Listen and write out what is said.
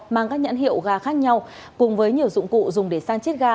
mang các nhãn hiệu ga khác nhau cùng với nhiều dụng cụ dùng để sang chiếc ga